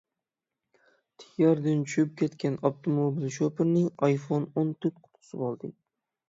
تىك ياردىن چۈشۈپ كەتكەن ئاپتوموبىل شوپۇرىنى ئايفون ئون تۆت قۇتقۇزۋالدى.